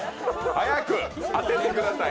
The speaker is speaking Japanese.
早く当ててください。